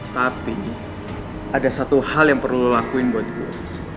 tapi ada satu hal yang perlu lakuin buat gue